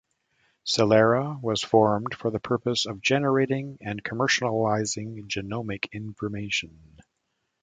Celera was formed for the purpose of generating and commercializing genomic information.